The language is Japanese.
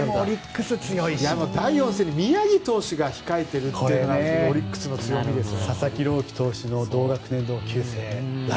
第４戦に宮城投手が控えているというのがオリックスの強みですよ。